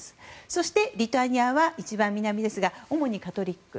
そしてリトアニアは一番南ですが主にカトリック。